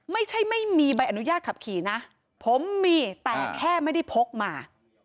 ไม่มีใบอนุญาตขับขี่นะผมมีแต่แค่ไม่ได้พกมา